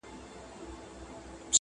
زه به دومره دعاګوی درته پیدا کړم!!